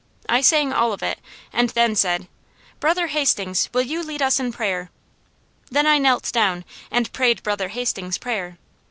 I sang all of it and then said: "Brother Hastings, will you lead us in prayer?" Then I knelt down, and prayed Brother Hastings' prayer.